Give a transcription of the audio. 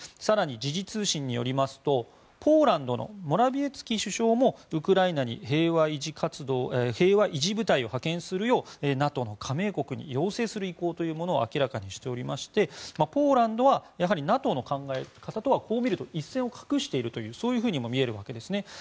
更に、時事通信によりますとポーランドのモラビエツキ首相もウクライナに平和維持部隊を派遣するようＮＡＴＯの加盟国に要請する意向というものを明らかにしておりましてポーランドは、やはりＮＡＴＯの考え方とはこう見ると一線を画しているとそういうふうにも見えるわけですね。